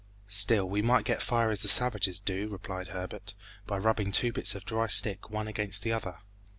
"Still we might get fire as the savages do," replied Herbert, "by rubbing two bits of dry stick one against the other."